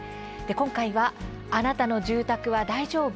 今回は「あなたの住宅は大丈夫？